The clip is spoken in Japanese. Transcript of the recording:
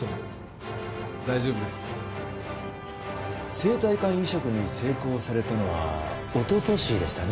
生体肝移植に成功されたのは一昨年でしたね。